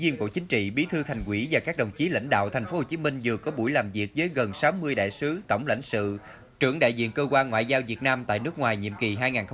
viên bộ chính trị bí thư thành quỹ và các đồng chí lãnh đạo tp hcm vừa có buổi làm việc với gần sáu mươi đại sứ tổng lãnh sự trưởng đại diện cơ quan ngoại giao việt nam tại nước ngoài nhiệm kỳ hai nghìn hai mươi hai nghìn hai mươi